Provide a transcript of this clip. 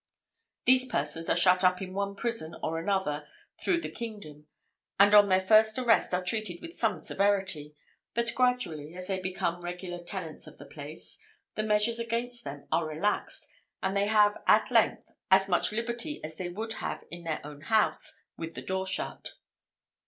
These persons are shut up in one prison or another through the kingdom; and on their first arrest are treated with some severity, but gradually, as they become regular tenants of the place, the measures against them are relaxed; and they have, at length, as much liberty as they would have in their own house with the door shut.